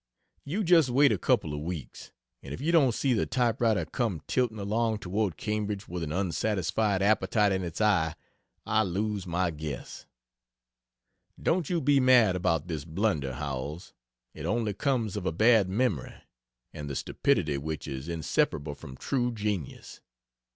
You just wait a couple of weeks and if you don't see the Type Writer come tilting along toward Cambridge with an unsatisfied appetite in its eye, I lose my guess. Don't you be mad about this blunder, Howells it only comes of a bad memory, and the stupidity which is inseparable from true genius.